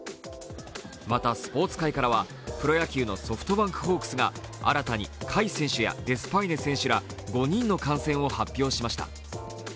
また、スポーツ界からはプロ野球のソフトバンクホークスが新たに甲斐選手やデスパイネ選手ら５人の感染を発表しました。